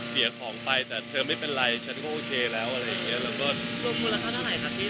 เสียของไปแต่เธอไม่เป็นไรฉันก็โอเคแล้วอะไรอย่างเงี้ย